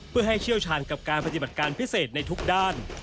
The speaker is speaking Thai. เพื่อให้เชี่ยวชาญกับการปฏิบัติการพิเศษในทุกด้าน